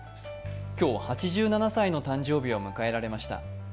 今日８７歳の誕生日を迎えられました。